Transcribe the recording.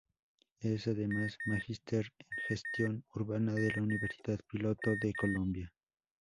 Es además magíster en gestión urbana de la Universidad Piloto de Colombia.